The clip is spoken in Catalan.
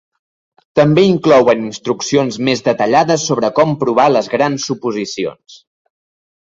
També inclouen instruccions més detallades sobre com provar les grans suposicions.